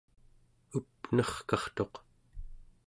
up'nerkartuq